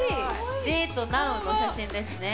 「デートなう」の写真ですね。